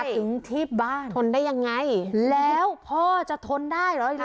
ถึงที่บ้านทนได้ยังไงแล้วพ่อจะทนได้เหรอ